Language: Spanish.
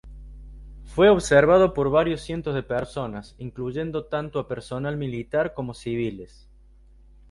Fue observado por varios cientos de personas, incluyendo tanto a personal militar como civiles.